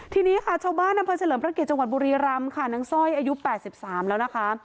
ทีนี้ค่ะชาวบ้านอำเภอเฉลิมพระเกียจจังหวัดบุรีรำค่ะนางสร้อยอายุ๘๓แล้วนะคะ